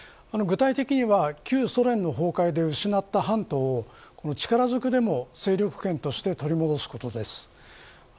具体的には旧ソ連の崩壊で失った半島を力ずくでも、勢力圏として取り戻すことです。